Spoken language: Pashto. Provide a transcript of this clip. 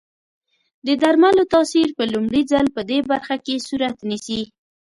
د درملو تاثیر په لومړي ځل پدې برخه کې صورت نیسي.